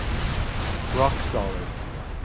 Rock solid.